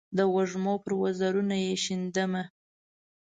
د وږمو پر وزرونو یې شیندمه